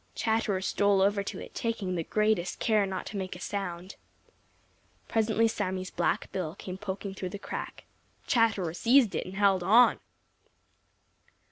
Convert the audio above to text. Chatterer stole over to it, taking the greatest care not to make a sound. Presently Sammy's black bill came poking through the crack. Chatterer seized it and held on.